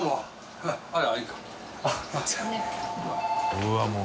うわもう。